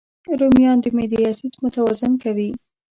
رومیان د معدې اسید متوازن کوي